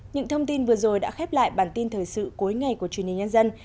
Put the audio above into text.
những thông tin vừa rồi đã khép lại bản tin thời sự cuối ngày của truyền hình nhân dân